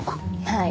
はい。